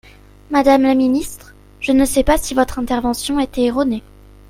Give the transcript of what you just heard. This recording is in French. Madame la ministre, je ne sais pas si votre intervention était erronée.